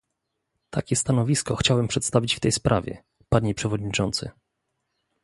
Takie stanowisko chciałem przedstawić w tej sprawie, panie przewodniczący